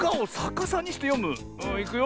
いくよ。